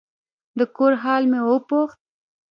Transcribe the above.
د کور حال مې وپوښت.